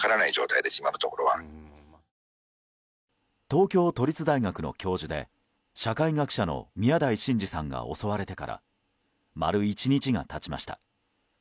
東京都立大学の教授で社会学者の宮台真司さんが襲われてから丸１日が経ちました。